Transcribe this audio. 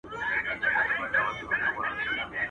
o اوښه، هر څه دي بې هوښه.